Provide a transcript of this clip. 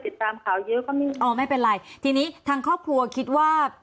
ติดตามข่าวเยอะก็ไม่อ๋อไม่เป็นไรทีนี้ทางครอบครัวคิดว่า